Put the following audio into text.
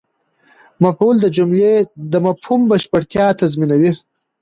مفعول د جملې د مفهوم بشپړتیا تضمینوي.